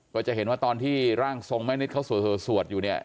ก็จะเห็นว่าตอนที่ร่างทรงแม่นิดเขาสวยสวดอยู่เนี่ย